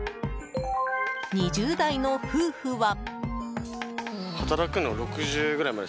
２０代の夫婦は。